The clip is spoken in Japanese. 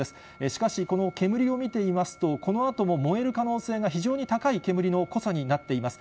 しかし、この煙を見ていますと、このあとも燃える可能性が非常に高い煙の濃さになっています。